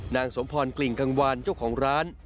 สมพรกลิ่งกังวานเจ้าของร้าน